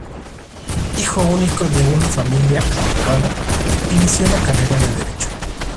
Hijo único de una familia acomodada, inició la carrera de Derecho.